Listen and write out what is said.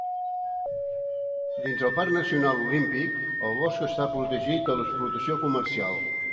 Dins del Parc Nacional Olímpic, el bosc està protegit de l'explotació comercial.